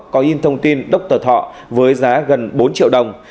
có in thông tin dr thọ với giá gần bốn triệu đồng